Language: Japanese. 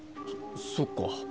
そそっか。